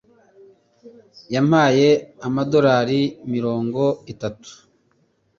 yampaye amadorari mirongo itanu